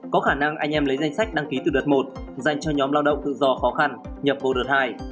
có khả năng anh em lấy danh sách đăng ký từ đợt một dành cho nhóm lao động tự do khó khăn nhập vô đợt hai